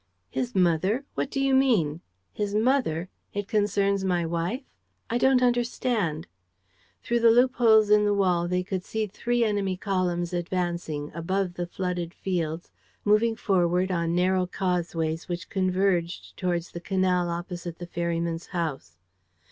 "His mother? What do you mean? His mother? It concerns my wife? I don't understand. ..." Through the loopholes in the wall they could see three enemy columns advancing, above the flooded fields, moving forward on narrow causeways which converged towards the canal opposite the ferryman's house.